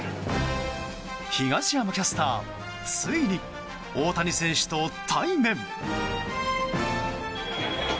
東山キャスターついに大谷選手と対面。